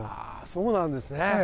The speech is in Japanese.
そうなんですね！